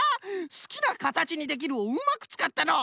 「すきなかたちにできる」をうまくつかったのう！